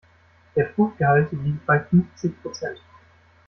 Der Fruchtgehalt liegt bei fünfzig Prozent.